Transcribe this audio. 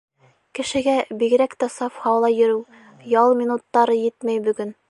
Кешегә бигерәк тә саф һауала йөрөү, ял минуттары етмәй бөгөн.